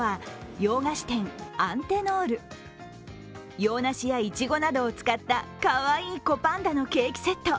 洋梨やいちごなどを使った、かわいい子パンダのケーキセット。